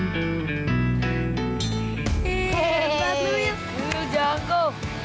luyuh jangan go